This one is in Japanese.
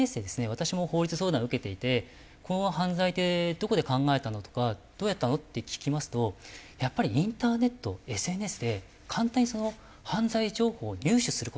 私も法律相談受けていて「この犯罪ってどこで考えたの？」とか「どうやったの？」って聞きますとやっぱりインターネットＳＮＳで簡単に犯罪情報を入手する事ができるんですよね。